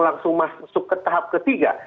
langsung masuk ke tahap ketiga